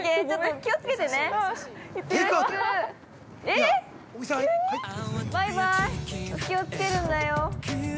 気をつけるんだよー。